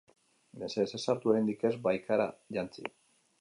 Mesedez, ez sartu oraindik ez baikara jantzi!